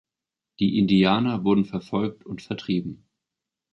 Die Indianer wurden verfolgt und vertrieben.